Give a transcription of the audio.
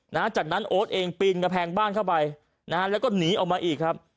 หลังจากนั้นโอ๊ตเองปีนกำแพงบ้านเข้าไปนะฮะแล้วก็หนีออกมาอีกครับ